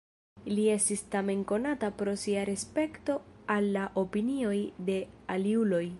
Li estis tamen konata pro sia respekto al la opinioj de aliuloj.